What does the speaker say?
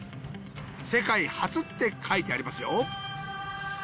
世界初って書いてありますよ